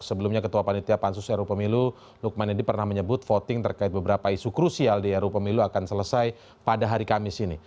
sebelumnya ketua panitia pansus ru pemilu lukman edi pernah menyebut voting terkait beberapa isu krusial di ru pemilu akan selesai pada hari kamis ini